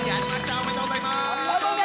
ありがとうございます！